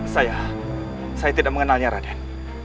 saya tidak mengenalnya raden